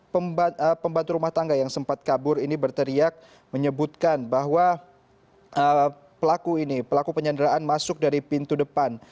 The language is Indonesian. pembantu rumah tangga yang sempat kabur ini berteriak menyebutkan bahwa pelaku ini pelaku penyanderaan masuk dari pintu depan